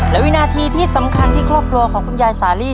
และวินาทีที่สำคัญที่ครอบครัวของคุณยายสาลี